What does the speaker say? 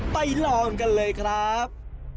ไปลองกันเลยครับ